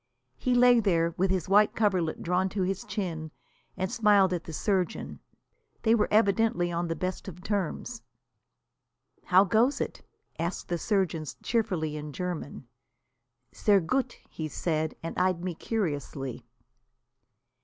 He lay there, with his white coverlet drawn to his chin, and smiled at the surgeon. They were evidently on the best of terms. "How goes it?" asked the surgeon cheerfully in German. "Sehr gut," he said, and eyed me curiously.